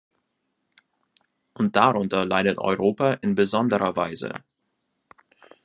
Und darunter leidet Europa in besonderer Weise.